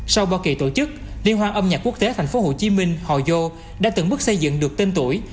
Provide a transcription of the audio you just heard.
sau bao kỳ tổ chức liên hoa âm nhạc quốc tế tp hcm hòa dô đã từng bước xây dựng được tên tuổi